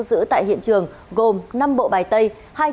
tăng vật thu dự tại hiện trường gồm năm bộ bài tây hai trăm năm mươi